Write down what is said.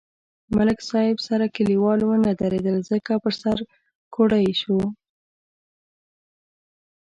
ملک صاحب سره کلیوال و نه درېدل ځکه په سر کوړئ شو.